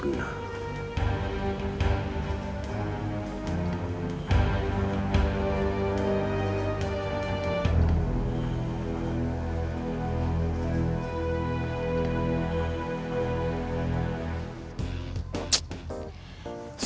sakti maunya apa sih